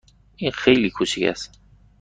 این خیلی کوچک است.